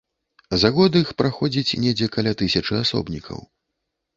За год іх праходзіць недзе каля тысячы асобнікаў.